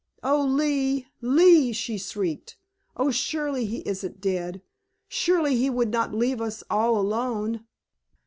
"Oh, Lee, Lee!" she shrieked. "Oh, surely he isn't dead! Surely he would not leave us all alone!"